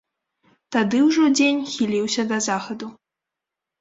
Тады ўжо дзень хіліўся да захаду.